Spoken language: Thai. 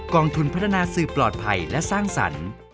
องทุนพัฒนาสื่อปลอดภัยและสร้างสรรค์